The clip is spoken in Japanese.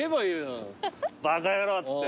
「バカ野郎」っつって？